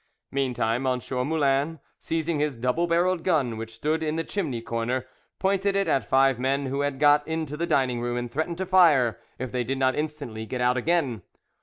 Meantime M. Moulin, seizing his double barrelled gun, which stood in the chimney corner, pointed it at five men who had got into the dining room, and threatened to fire if they did not instantly get out again.